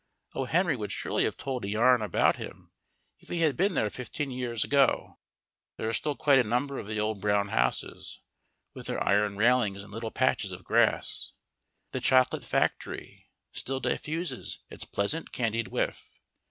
O. Henry would surely have told a yarn about him if he had been there fifteen years ago. There are still quite a number of the old brown houses, with their iron railings and little patches of grass. The chocolate factory still diffuses its pleasant candied whiff.